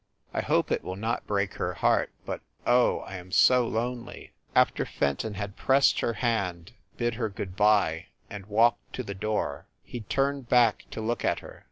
I hope it will not break her heart, but, oh, I am so lonely!" After Fenton had pressed her hand, bid her good by and walked to the door, he turned back to look at her.